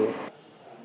hồ sơ đăng ký cư trú